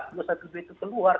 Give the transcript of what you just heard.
p dua ratus dua belas itu telur